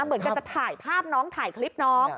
เหมือนกับจะถ่ายภาพน้องถ่ายคลิปน้อง